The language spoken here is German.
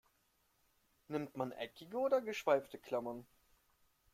Nimmt man eckige oder geschweifte Klammern?